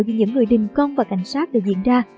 do những người đình công và cảnh sát đã diễn ra